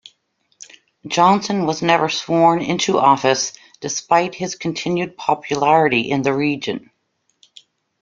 Johnson was never sworn into office, despite his continued popularity in the region.